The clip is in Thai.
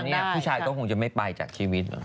ถ้าทำเนี่ยผู้ชายก็คงจะไม่ไปจากชีวิต